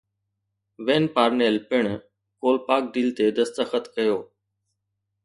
وين Parnell پڻ Kolpak deal تي دستخط ڪيو